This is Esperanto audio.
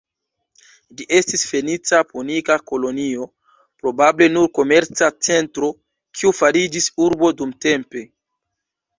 Ĝi estis fenica-punika kolonio, probable nur komerca centro, kiu fariĝis urbo dumtempe.